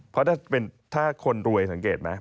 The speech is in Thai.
เพราะถ้าคนรวยสังเกตไหม